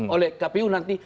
oleh kpu nanti